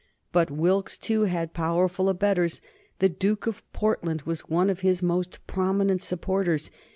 But Wilkes, too, had powerful abettors. The Duke of Portland was one of his most prominent supporters.